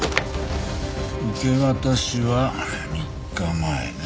受け渡しは３日前ね。